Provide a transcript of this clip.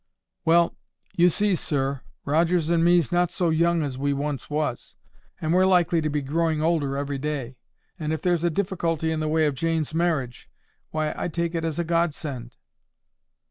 "Well, you see, sir, Rogers and me's not so young as we once was, and we're likely to be growing older every day. And if there's a difficulty in the way of Jane's marriage, why, I take it as a Godsend."